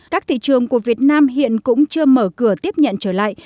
các thị trường của việt nam hiện cũng chưa mở cửa tiếp nhận trở lại